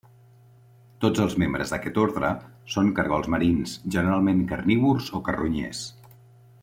Tots els membres d'aquest ordre són caragols marins, generalment carnívors o carronyers.